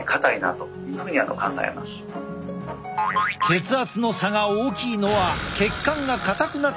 血圧の差が大きいのは血管が硬くなっているサイン。